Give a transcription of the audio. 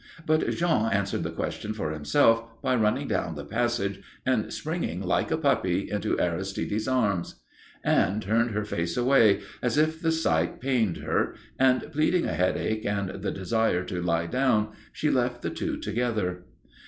But Jean answered the question for himself by running down the passage and springing like a puppy into Aristide's arms. Anne turned her face away, as if the sight pained her, and, pleading a headache and the desire to lie down, she left the two together.